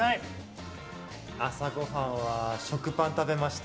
朝ごはんは食パン食べました。